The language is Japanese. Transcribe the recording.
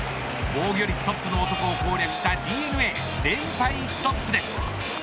防御率トップの男を攻略したＤｅＮＡ連敗ストップです。